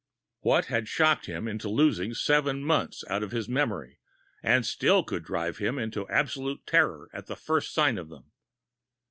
What had shocked him into losing seven months out of his memory, and still could drive him into absolute terror at the first sign of them?